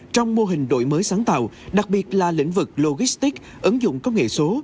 trong mô hình đổi mới sáng tạo đặc biệt là lĩnh vực logistic ứng dụng công nghệ số